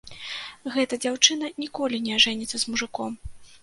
Гэта дзяўчына ніколі не ажэніцца з мужыком.